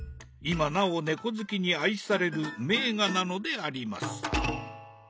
今なお猫好きに愛される名画なのであります。